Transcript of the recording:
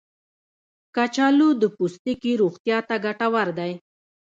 کچالو د پوستکي روغتیا ته ګټور دی.